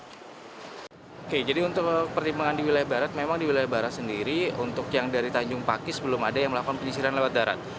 oke jadi untuk pertimbangan di wilayah barat memang di wilayah barat sendiri untuk yang dari tanjung pakis belum ada yang melakukan penyisiran lewat darat